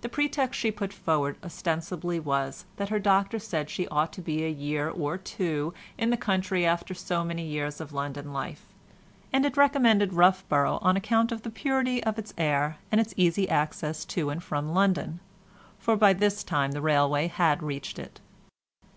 The pretext she put forward ostensibly was that her doctor said she ought to be a year or two in the country after so many years of London life, and had recommended Roughborough on account of the purity of its air, and its easy access to and from London—for by this time the railway had reached it.